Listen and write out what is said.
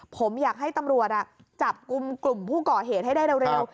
ผมอยากให้ตำรวจจับกลุ่มกลุ่มผู้ก่อเหตุให้ได้เร็ว